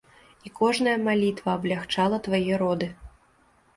І кожная малітва аблягчала твае роды.